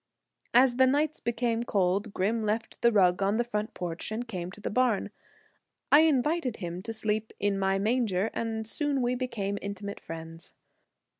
As the nights became cold, Grim left the rug on the front porch and came to the barn. I invited him to sleep in my manger and soon we became intimate friends.